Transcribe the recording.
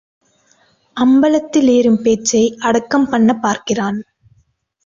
அம்பலத்தில் ஏறும் பேச்சை அடக்கம் பண்ணப் பார்க்கிறான்.